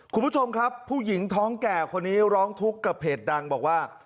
คุณผู้ชมครับผู้หญิงท้องแก่คนนี้ร้องทุกข์กับเพจดังบอกว่า